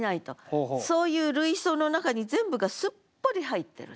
そういう類想の中に全部がすっぽり入ってると。